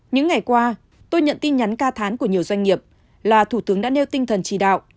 những ngày qua tôi nhận tin nhắn ca thán của nhiều doanh nghiệp là thủ tướng đã nêu tinh thần chỉ đạo